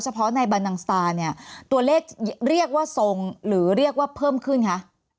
เพาะในบรรนังสตาร์เนี่ยตัวเลขเรียกว่าทรงหรือเรียกว่าเพิ่มขึ้นคะ